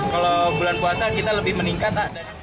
kalau bulan puasa kita lebih meningkat